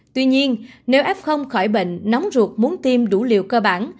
tuy nhiên nếu f khỏi bệnh nóng ruột muốn tiêm đủ liều cơ bản